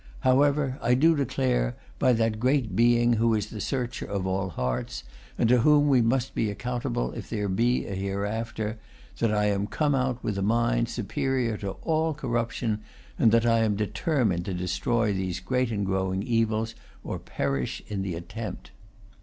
However, I do declare, by that great Being who is the searcher of all hearts, and to whom we must be accountable if there be a hereafter, that I am come out with a mind superior to all corruption, and that I am determined to destroy these great and growing evils, or perish in the attempt."